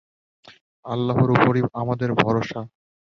আল্লাহর উপরই আমাদের ভরসা।